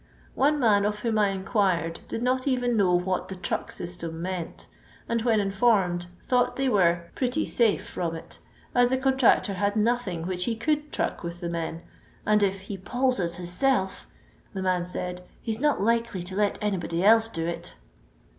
One man of whom I inquired did not even know what the " truck system meant ; and when informed, thought they were " pretty safe " from it, as the contractor had nothing which he eoiUd truck with the men, and if *' he polls us hiaself," the man said, '*he's not likely to let anybody else do it."